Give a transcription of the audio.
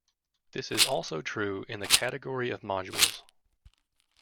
This is also true in the category of modules.